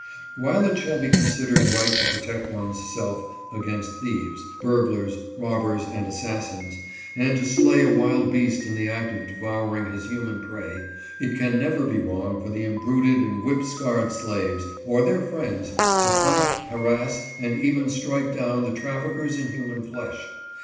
While it shall be considered right to protect one's self against thieves, burglars, robbers, and assassins, and to slay a wild beast in the act of devouring his human prey, it can never be wrong for the imbruted and whip scarred slaves, or their friends, to hunt, harass, and even strike down the traffickers in human flesh.